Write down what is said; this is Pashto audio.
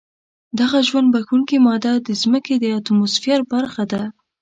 دغه ژوند بښونکې ماده د ځمکې د اتموسفیر برخه ده.